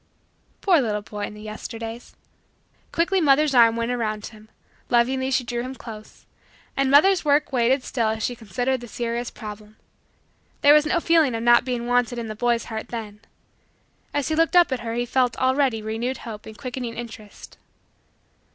Poor little boy in the Yesterdays! Quickly mother's arm went around him. Lovingly she drew him close. And mother's work waited still as she considered the serious problem. There was no feeling of not being wanted in the boy's heart then. As he looked up at her he felt already renewed hope and quickening interest.